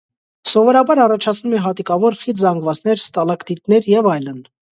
Սովորաբար առաջացնում է հատիկավոր, խիտ զանգվածներ, ստալակտիտներ և այլն։